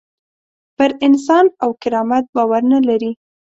پر انسان او کرامت باور نه لري.